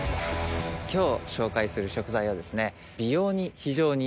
今日紹介する食材はですね。